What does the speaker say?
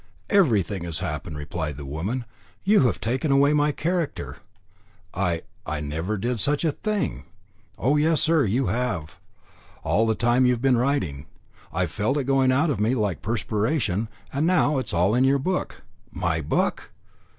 "Everything has happened," replied the woman; "you have taken away my character." "I I never did such a thing." "Oh, yes, sir, you have. All the time you've been writing, I've felt it going out of me like perspiration, and now it is all in your book." "My book!"